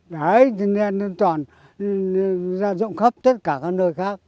đấy nên toàn ra rộng khắp tất cả các nơi khác